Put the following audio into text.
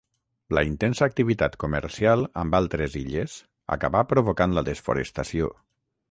La intensa activitat comercial amb altres illes acabà provocant la desforestació.